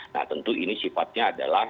nah tentu ini sifatnya